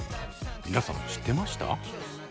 皆さん知ってました？